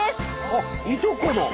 あっいとこの。